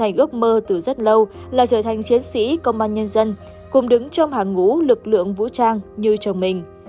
hành ước mơ từ rất lâu là trở thành chiến sĩ công an nhân dân cùng đứng trong hàng ngũ lực lượng vũ trang như chồng mình